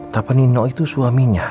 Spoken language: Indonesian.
tapi nino itu suaminya